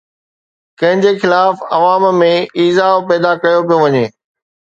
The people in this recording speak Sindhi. ڪنهن جي خلاف عوام ۾ ايذاءُ پيدا ڪيو پيو وڃي؟